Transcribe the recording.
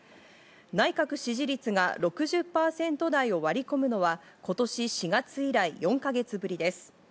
内閣支持率が６０％台を割り込むのは今年４月以来、４か月ぶりです。